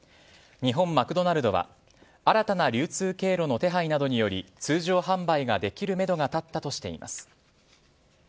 日本マクドナルドは新たな流通経路の手配などにより通常販売ができるめどが立ったとしています。